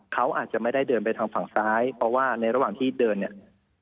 เขาอาจจะไม่ได้เดินไปทางฝั่งซ้ายเพราะว่าในระหว่างที่เดินเนี่ย